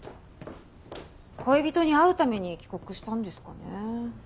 恋人に会うために帰国したんですかね？